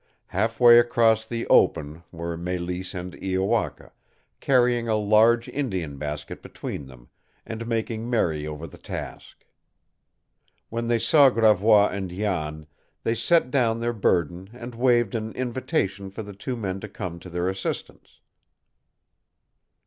Half way across the open were Mélisse and Iowaka, carrying a large Indian basket between them, and making merry over the task. When they saw Gravois and Jan, they set down their burden and waved an invitation for the two men to come to their assistance.